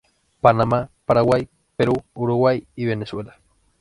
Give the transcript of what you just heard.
Panamá, Paraguay, Perú, Uruguay y Venezuela.